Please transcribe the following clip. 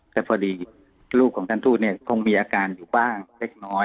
แต่พอดีลูกของท่านทูตเนี่ยคงมีอาการอยู่บ้างเล็กน้อย